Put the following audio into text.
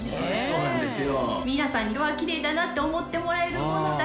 そうなんですよ。